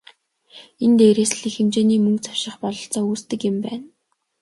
Энэ дээрээс л их хэмжээний мөнгө завших бололцоо үүсдэг юм байна.